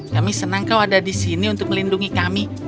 kami senang kau ada di sini untuk melindungi kami